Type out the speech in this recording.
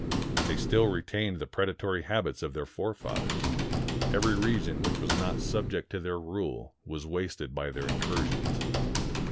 They still retained the predatory habits of their forefathers. Every region which was not subject to their rule was wasted by their incursions.